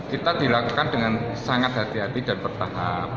kita dilakukan dengan sangat hati hati dan bertahap